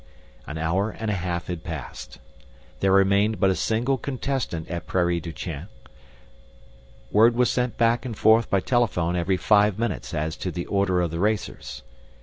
An hour and a half had passed. There remained but a single contestant at Prairie du chien. Word was sent back and forth by telephone every five minutes as to the order of the racers.